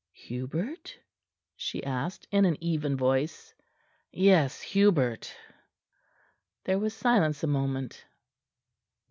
"Hubert?" she asked in an even voice. "Yes, Hubert." There was silence a moment.